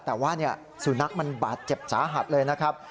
แต่ว่าสุนัขมันบาดเจ็บสาหัสเลยนะครับ